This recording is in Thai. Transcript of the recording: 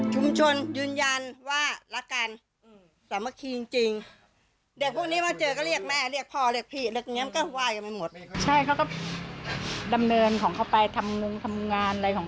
ชุมชนยืนยันว่ารักกันสามัคคีจริง